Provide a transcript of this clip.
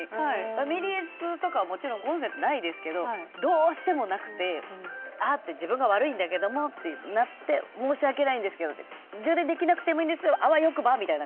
ファミレスとかもちろんコンセントないですけどどうしてもなくて自分が悪いんだけどってなって申し訳ないんですけど充電できなくてもいいですけどあわよくばって。